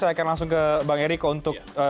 saya akan langsung ke bang eriko untuk